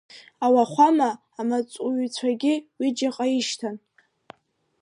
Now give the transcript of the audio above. Ауахәама амаҵзуҩцәагьы ҩыџьаҟа ишьҭан.